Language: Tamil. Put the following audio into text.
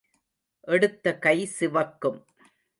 எடுத்த கை சிவக்கும்.